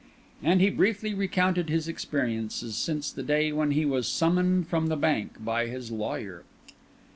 And he briefly recounted his experiences since the day when he was summoned from the bank by his lawyer.